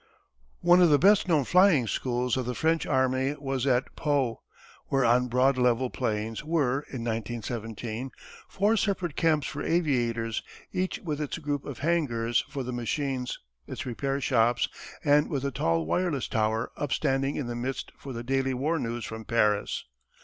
One of the best known flying schools of the French army was at Pau, where on broad level plains were, in 1917, four separate camps for aviators, each with its group of hangars for the machines, its repair shops, and with a tall wireless tower upstanding in the midst for the daily war news from Paris.